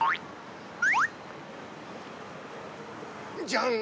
ジャン。